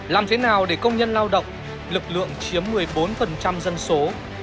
làm thế nào để công nhân lao động lực lượng chiếm một mươi bốn dân số